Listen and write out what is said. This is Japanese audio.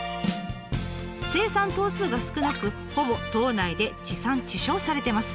生産頭数が少なくほぼ島内で地産地消されてます。